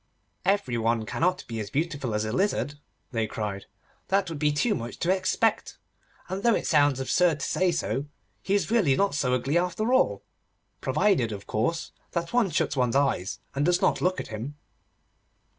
'Every one cannot be as beautiful as a lizard,' they cried; 'that would be too much to expect. And, though it sounds absurd to say so, he is really not so ugly after all, provided, of course, that one shuts one's eyes, and does not look at him.